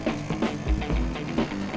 ini superman bukan